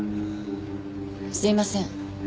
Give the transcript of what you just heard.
すいません。